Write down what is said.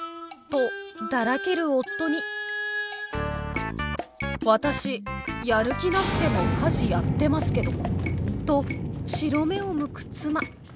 とだらける夫に「私やる気なくても家事やってますけど」と白目をむく妻。